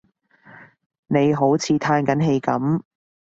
你好似歎緊氣噉